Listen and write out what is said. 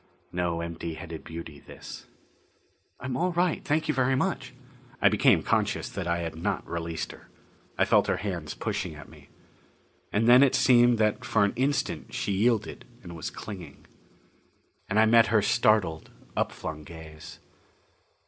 No empty headed beauty, this. "I'm all right, thank you very much " I became conscious that I had not released her. I felt her hands pushing at me. And then it seemed that for an instant she yielded and was clinging. And I met her startled upflung gaze.